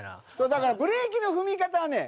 だからブレーキの踏み方はね